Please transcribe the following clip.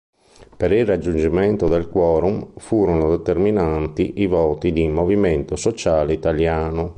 Per il raggiungimento del "quorum", furono determinanti i voti del Movimento Sociale Italiano.